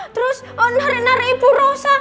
terus narik narik ibu rosa